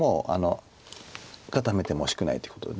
固めても惜しくないってことで。